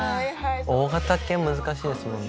大型犬難しいですもんね